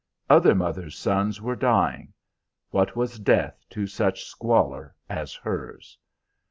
Other mothers' sons were dying; what was death to such squalor as hers?